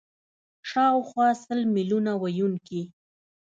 شاوخوا سل میلیونه ویونکي